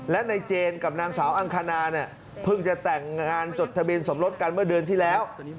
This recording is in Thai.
และนายเจนกับนางสาวอ้ำคานานะพึ่งจะแต่งงานจตะบีลสอบลดกันเมื่อเดือนช้าที่แล้ว